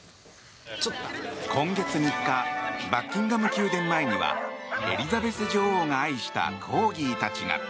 今月３日バッキンガム宮殿前にはエリザベス女王が愛したコーギーたちが。